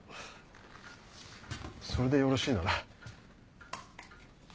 それでよろしいなら。